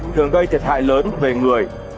thường gây thiệt hại lớn về người